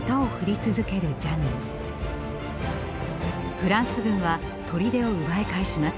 フランス軍は砦を奪い返します。